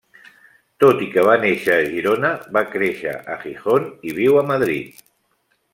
Tot i que va néixer a Girona, va créixer a Gijón i viu a Madrid.